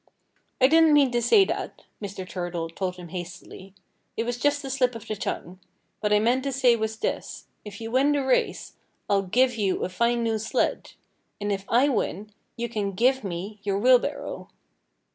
"I didn't mean to say that," Mr. Turtle told him hastily. "It was just a slip of the tongue. What I meant to say was this: If you win the race, I'll give you a fine new sled; and if I win, you can give me your wheelbarrow."